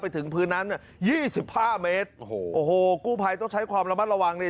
ไปถึงพื้นน้ำเนี่ยยี่สิบห้าเมตรโอ้โหกู้ไพรต้องใช้ความระมัดระวังเนี่ย